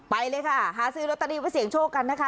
ไปเลยค่ะหาซื้อรถตะดีไปเสี่ยงโชคกันนะคะ